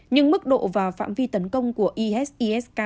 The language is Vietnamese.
nhưng mức độ và phạm vi tấn công của isis k